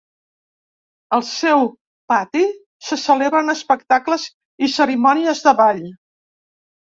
Al seu pati se celebren espectacles i cerimònies de ball.